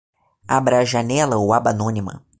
Abra a janela ou aba anônima